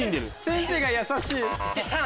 先生が優しい。